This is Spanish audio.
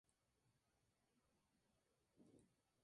Su masa es del orden de la masa de Saturno pero mucho más pequeño.